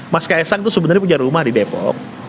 mas kaisang itu sebenarnya punya rumah di depok